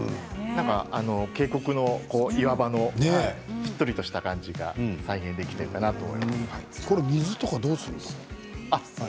渓谷の岩場のしっとりした感じが再現できているかな水はどうするんですか？